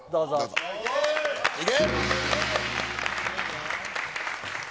いけ！